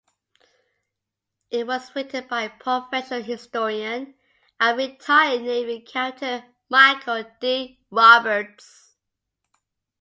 It was written by professional historian and retired Navy Captain Michael D. Roberts.